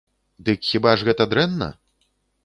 Дык хіба ж гэта дрэнна?